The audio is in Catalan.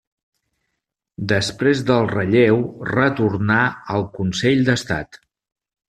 Després del relleu retornà al Consell d'Estat.